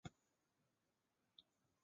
休斯兄弟出生于底特律。